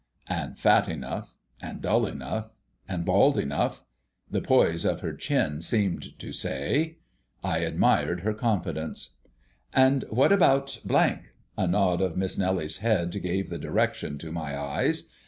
And fat enough and dull enough and bald enough the poise of her chin seemed to say. I admired her confidence. "And what about ?" a nod of Miss Nellie's head gave the direction to my eyes.